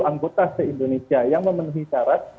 anggota se indonesia yang memenuhi syarat